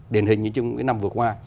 đền hình như trong cái năm vừa qua